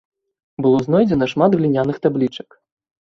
Было знойдзена шмат гліняных таблічак.